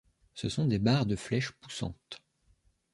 Ce sont des barres de flèches poussantes.